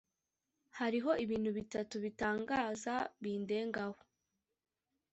“hariho ibintu bitatu bitangaza bindengaho,